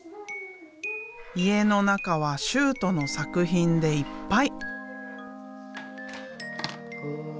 家の中は修杜の作品でいっぱい。